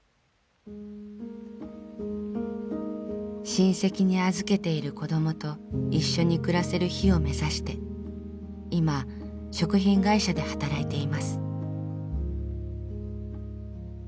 親戚に預けている子どもと一緒に暮らせる日を目指して今食品会社で働いています。